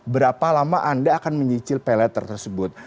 berapa lama anda akan menyicil pay later tersebut